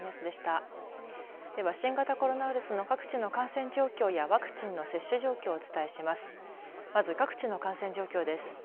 では新型コロナウイルスの各地の感染状況やワクチンの接種状況をお伝えします。